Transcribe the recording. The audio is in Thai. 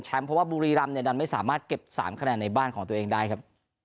เพราะว่าบุรีรำเนี่ยดันไม่สามารถเก็บ๓คะแนนในบ้านของตัวเองได้ครับ